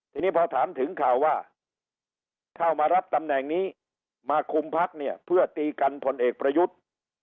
ทีนี้พอถามถึงข่าวว่าเข้ามารับตำแหน่งนี้มาคุมพักเนี่ยเพื่อตีกันพลเอกประยุทธ์